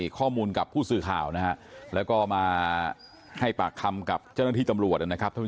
ก็ยังกับเขาเลยแต่ว่านี่แม่งหนูอยู่ในห้องหนูดี